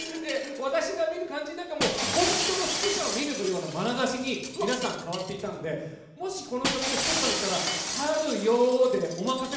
私が見る感じでは本当の指揮者を見るようなまなざしに皆さん、変わっていたのでもしこの曲がひとりさんだったら春よでお任せ